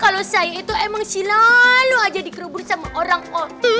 kalau saya itu emang selalu aja dikerubur sama orang oh